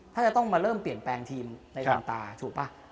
ถ้าจะต้องมาเริ่มเปลี่ยนแปลงทีมในดวงตาถูกป่ะ